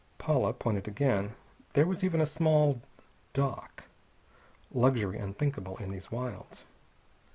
Paula pointed again. There was even a small dock luxury unthinkable in these wilds.